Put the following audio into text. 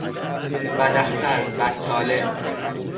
بد اختر، بد طالع